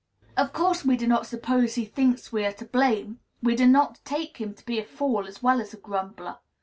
Of course, we do not suppose he thinks we are to blame; we do not take him to be a fool as well as a grumbler.